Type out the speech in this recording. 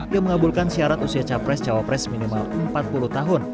yang mengabulkan syarat usia capres cawapres minimal empat puluh tahun